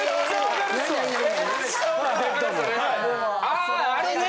ああれね！